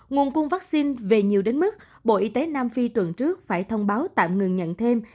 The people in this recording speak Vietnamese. nguồn cung vaccine về nhiều đến mức bộ y tế nam phi tuần trước phải thông báo tạm ngừng nhận thêm